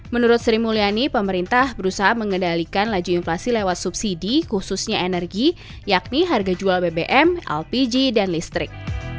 menurut sri mulyani pemerintah berusaha mengendalikan laju inflasi lewat subsidi khususnya energi yakni harga jual bbm lpg dan listrik